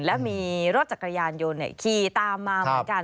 และมีรถจักรยานยนต์ขี่ตามมาเหมือนกัน